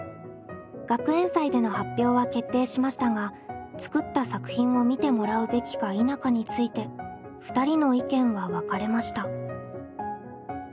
学園祭での発表は決定しましたが作った作品を見てもらうべきか否かについて２人の意見は分かれました。